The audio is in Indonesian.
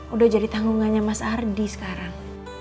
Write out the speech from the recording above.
udah jadi tanggungannya mas ardi sekarang